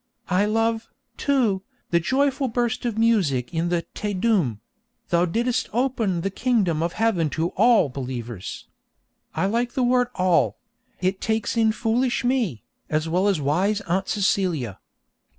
I love, too, the joyful burst of music in the Te Deum: 'Thou didst open the kingdom of heaven to all believers.' I like that word 'all'; it takes in foolish me, as well as wise Aunt Celia.